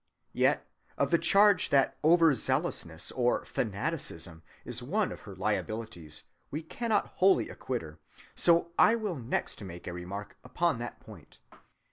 Yet of the charge that over‐ zealousness or fanaticism is one of her liabilities we cannot wholly acquit her, so I will next make a remark upon that point.